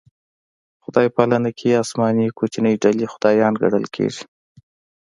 خدای پالنه کې اسماني کوچنۍ ډلې خدایان ګڼل کېږي.